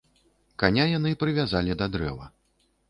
Каня яны прывязалі да дрэва.